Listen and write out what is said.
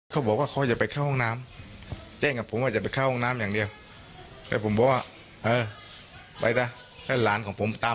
ในเขาที่บ้านผมคิดอย่างงั้น